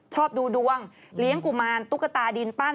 ชอบดูดวงเลี้ยงกุมารตุ๊กตาดินปั้น